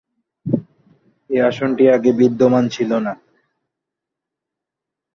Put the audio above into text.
এই আসনটি আগে বিদ্যমান ছিল না।